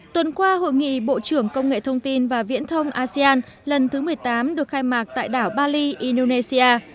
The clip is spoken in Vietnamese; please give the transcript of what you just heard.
tuần qua hội nghị bộ trưởng công nghệ thông tin và viễn thông asean lần thứ một mươi tám được khai mạc tại đảo bali indonesia